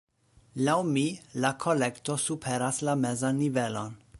Laŭ mi, la kolekto superas la mezan nivelon.